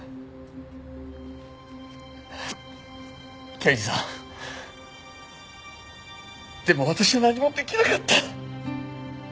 刑事さんでも私は何も出来なかった。